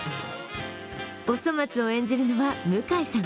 おそ松を演じるのは向井さん